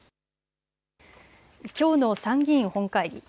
きょうの参議院本会議。